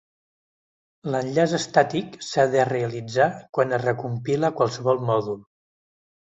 L'enllaç estàtic s'ha de realitzar quan es recompila qualsevol mòdul.